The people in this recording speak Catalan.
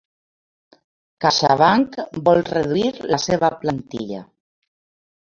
CaixaBank vol reduir la seva plantilla